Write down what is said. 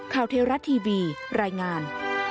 ข่าวเทวรัตน์ทีวีรายงาน